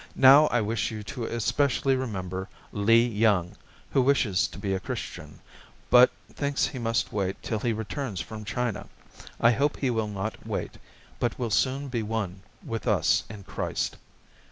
Now I wish you to especially remember Lee Young, who wishes to be a Christian, but thinks he must wait till he returns from China. I hope he will not wait, but will soon be one with us in Christ."